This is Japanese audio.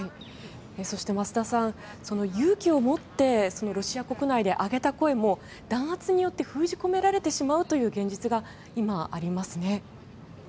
そして増田さん勇気を持ってロシア国内で上げた声も弾圧によって封じ込められてしまうという現実が今、ありますね。